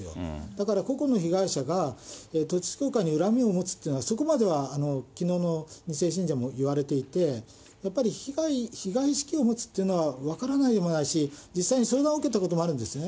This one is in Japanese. だから個々の被害者が、統一教会に恨みを持つっていうのは、そこまではきのうの２世信者も言われていて、やっぱり被害意識を持つというのは分からないでもないし、実際に相談を受けたこともあるんですね。